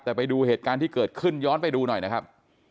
แต่ไปดูเหตุการณ์ที่เกิดขึ้นย้อนไปดูหน่อยนะครับ